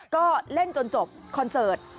ก็เล่นจนจบคอนเสิร์ต